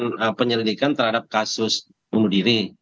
melakukan penyelidikan terhadap kasus bunuh diri